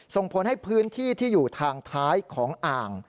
ส่งผลให้พื้นที่ที่อยู่ทางท้ายของอ่าง